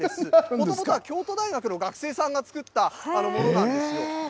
もともとは京都大学の学生さんが作ったものなんです。